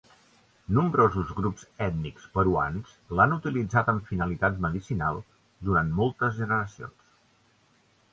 Nombrosos grups ètnics peruans l'han utilitzat amb finalitat medicinal durant moltes generacions.